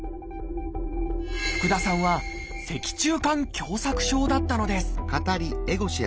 福田さんは「脊柱管狭窄症」だったのです。